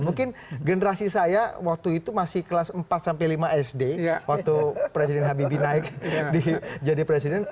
mungkin generasi saya waktu itu masih kelas empat sampai lima sd waktu presiden habibie naik jadi presiden